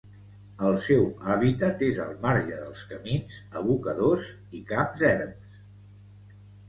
El seu hàbitat és al marge dels camins, abocadors i camps erms.